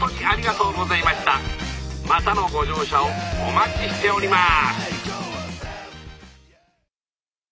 またのご乗車をお待ちしております」。